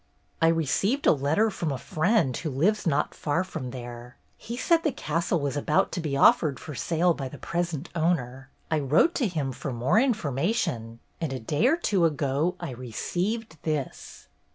"I received a letter from a friend who lives not far from there. He said the castle was about to be offered for sale by the present owner. I wrote to him for more information, and a day or two ago I received this."